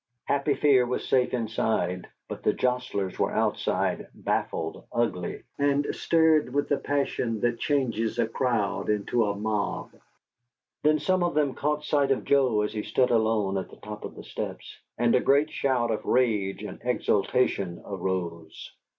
Happy Fear was safe inside, but the jostlers were outside baffled, ugly, and stirred with the passion that changes a crowd into a mob. Then some of them caught sight of Joe as he stood alone at the top of the steps, and a great shout of rage and exultation arose.